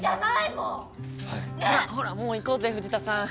ほらもう行こうぜ藤田さん。